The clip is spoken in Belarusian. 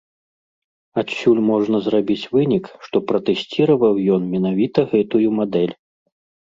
Адсюль можна зрабіць вынік, што пратэсціраваў ён менавіта гэтую мадэль.